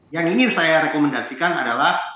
yang ingin saya rekomendasikan adalah